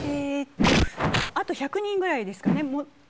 あと１００人ぐらいですかね。